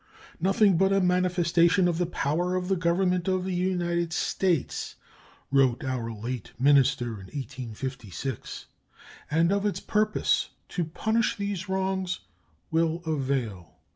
"Nothing but a manifestation of the power of the Government of the United States," wrote our late minister in 1856, "and of its purpose to punish these wrongs will avail.